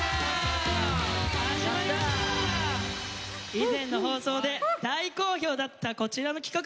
以前の放送で大好評だったこちらの企画。